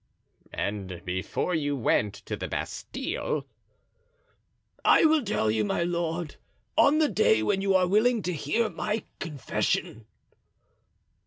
"And before you went to the Bastile?" "I will tell you, my lord, on the day when you are willing to hear my confession."